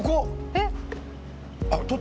えっ！